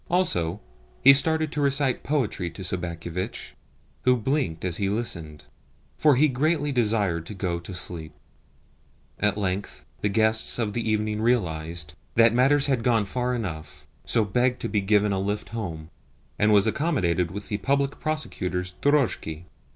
Also, he started to recite poetry to Sobakevitch, who blinked as he listened, for he greatly desired to go to sleep. At length the guest of the evening realised that matters had gone far enough, so begged to be given a lift home, and was accommodated with the Public Prosecutor's drozhki.